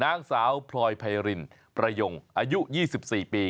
นางสาวพลอยไพรินประยงอายุ๒๔ปี